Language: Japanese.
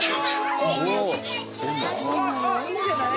・あっいいんじゃない？